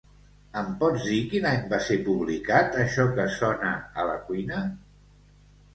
Em pots dir quin any va ser publicat això que sona a la cuina?